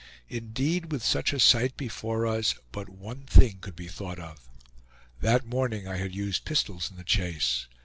Indeed, with such a sight before us, but one thing could be thought of. That morning I had used pistols in the chase.